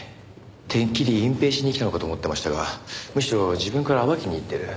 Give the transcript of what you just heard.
てっきり隠蔽しに来たのかと思ってましたがむしろ自分から暴きにいってる。